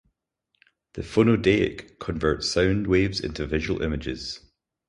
The Phonodeik converts sound waves into visual images.